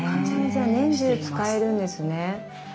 じゃあ年中使えるんですね。